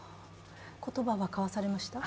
言葉は交わされました？